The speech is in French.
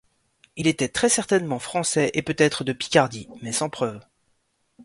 Il était très certainement Français et peut-être de Picardie mais sans preuve.